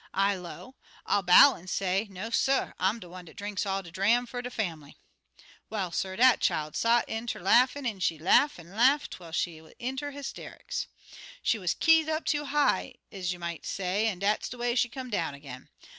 I low, 'I'll bow an' say, "No, suh; I'm de one dat drinks all de dram fer de fambly."' "Well, suh, dat chile sot in ter laughin', an' she laugh an' laugh twel she went inter highsterics. She wuz keyed up too high, ez you mought say, an' dat's de way she come down agin.